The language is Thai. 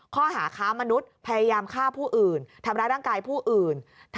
ข้อหาค้ามนุษย์พยายามฆ่าผู้อื่นทำร้ายร่างกายผู้อื่น